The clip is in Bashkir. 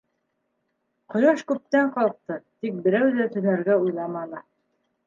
Ҡояш күптән ҡалҡты, тик берәү ҙә төнәргә уйламаны.